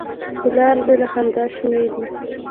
په لاره ځي له خندا شینې دي.